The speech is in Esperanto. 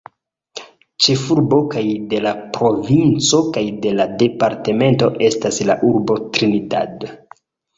Ĉefurbo kaj de la provinco kaj de la departemento estas la urbo Trinidad.